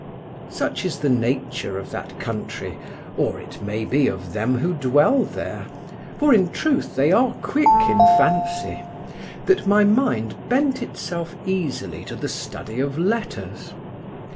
Such is the nature of that country, or, it may be, of them who dwell there for in truth they are quick in fancy that my mind bent itself easily to the study of letters.